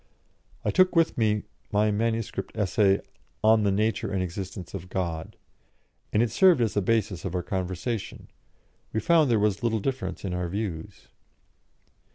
I took with me my MS. essay "On the Nature and Existence of God," and it served as the basis for our conversation; we found there was little difference in our views.